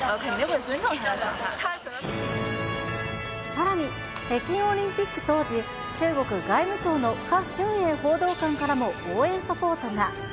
さらに北京オリンピック当時、中国外務省のかしゅんえい報道官からも、応援サポートが。